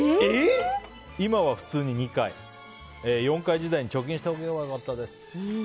今は普通に２回４回時代に貯金しておけば良かったです。